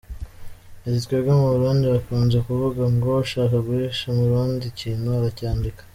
Ati «Twebwe mu Burundi bakunze kuvuga ngo ushaka guhisha Umurundi ikintu uracyandika.